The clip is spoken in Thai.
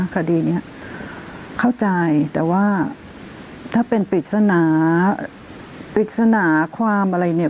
คดีนี้เข้าใจแต่ว่าถ้าเป็นปริศนาปริศนาความอะไรเนี่ย